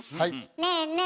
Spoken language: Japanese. ねえねえ